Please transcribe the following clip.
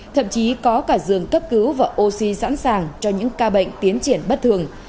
thậm chí có cả giường cấp cứu và oxy sẵn sàng cho những ca bệnh tiến triển bất thường